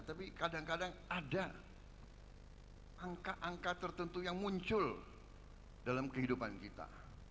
tapi kadang kadang ada angka angka tertentu yang muncul dalam kehidupan kita